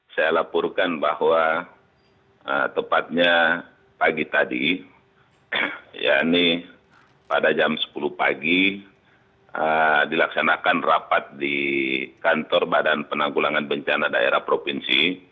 saya laporkan bahwa tepatnya pagi tadi ya ini pada jam sepuluh pagi dilaksanakan rapat di kantor badan penanggulangan bencana daerah provinsi